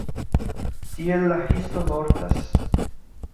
Tiel la histo mortas.